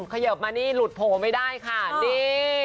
เขยิบมานี่หลุดโผล่ไม่ได้ค่ะนี่